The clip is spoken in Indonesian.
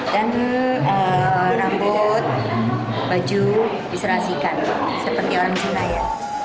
dan rambut baju diserasikan seperti orang cina ya